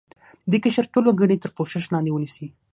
د دې قشر ټول وګړي تر پوښښ لاندې ونیسي.